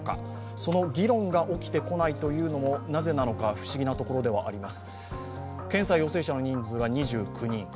その議論が起きてこないというのもなぜなのか不思議なところではあります。